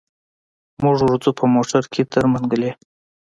موږ ورځو په موټر کي تر منګلي.